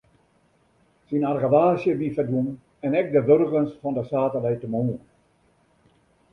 Syn argewaasje wie ferdwûn en ek de wurgens fan de saterdeitemoarn.